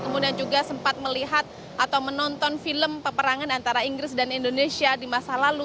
kemudian juga sempat melihat atau menonton film peperangan antara inggris dan indonesia di masa lalu